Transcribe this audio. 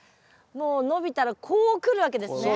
もう伸びたらこう来るわけですね。